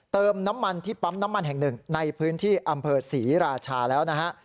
เติมน้ำมันที่ปั๊มน้ำมันแห่งหนึ่งในพื้นที่อำเภอศรีราชาแล้วนะฮะ